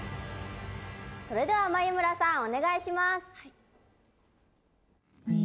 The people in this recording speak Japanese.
それでは眉村さんお願いします。